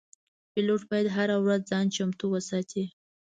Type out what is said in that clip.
پیلوټ باید هره ورځ ځان چمتو وساتي.